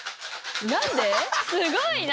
すごいな！